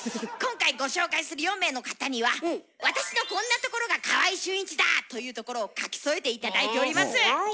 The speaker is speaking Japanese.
今回ご紹介する４名の方には「私のこんなところが川合俊一だ！」というところを書き添えて頂いております。